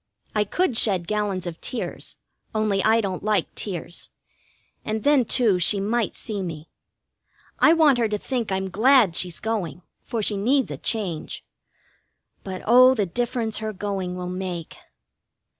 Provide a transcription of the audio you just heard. I could shed gallons of tears, only I don't like tears, and then, too, she might see me. I want her to think I'm glad she's going, for she needs a change. But, oh, the difference her going will make!